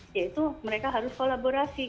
yaitu mereka harus kolaborasi